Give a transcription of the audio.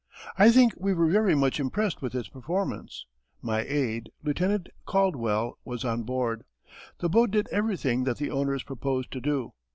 I think we were very much impressed with its performance. My aid, Lieutenant Caldwell, was on board. The boat did everything that the owners proposed to do.